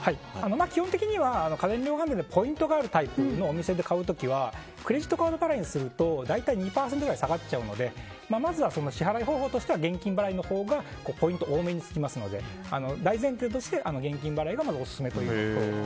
基本的には家電量販店ポイントがあるタイプのお店で買う時はクレジットカード払いにすると２％ぐらい下がっちゃうのでまずは支払方法としては現金払いのほうがポイント多めにつきますので大前提として現金払いがオススメということです。